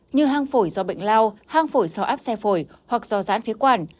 như hang phổi do bệnh lao hang phổi do áp xe phổi hoặc do rán phía quản